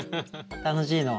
楽しいの？